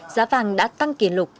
giá vàng đã tăng kỷ lục